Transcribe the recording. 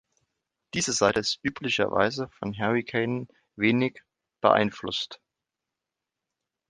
Diese Seite ist üblicherweise von Hurrikanen wenig beeinflusst.